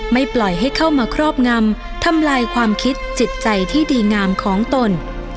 ปล่อยให้เข้ามาครอบงำทำลายความคิดจิตใจที่ดีงามของตน